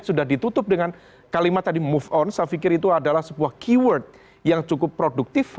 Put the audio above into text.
jadi ditutup dengan kalimat tadi move on saya pikir itu adalah sebuah keyword yang cukup produktif